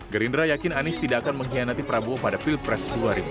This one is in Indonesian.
gerindra yakin anies tidak akan mengkhianati prabowo pada pilpres dua ribu dua puluh